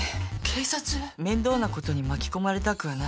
面倒なことに巻き込まれたくはない。